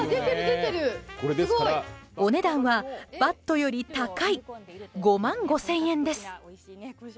お値段はバットより高い５万５０００円です。